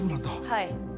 はい。